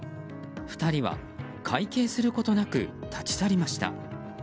２人は会計することなく立ち去りました。